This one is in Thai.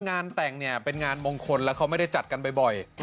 งานแต่งเนี่ยเป็นงานมงคลแล้วเขาไม่ได้จัดกันบ่อย